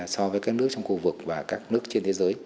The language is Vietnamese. so với các nước trong khu vực và các nước trên thế giới